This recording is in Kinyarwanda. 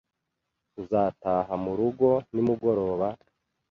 Uzataha murugo nimugoroba?